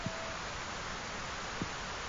د راتلونکې لپاره پلان کول اړین دي.